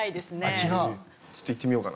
ちょっといってみようかな。